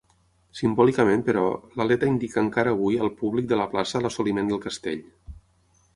Simbòlicament, però, l'aleta indica encara avui al públic de la plaça l'assoliment del castell.